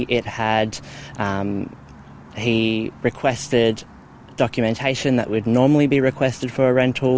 dia meminta dokumentasi yang biasanya diperlukan untuk rental